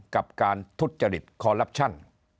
กับการทุจริตคอลลับชั่น